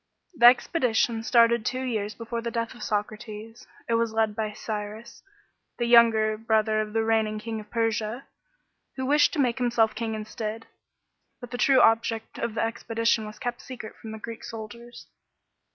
The expedition started two years before the death of Socrates. It was led by Cyrus, the, younger brother of the reigning King of Persia, who wished to make himself king instead. But the, true object of the expedition was kept secret from the Greek soldiers.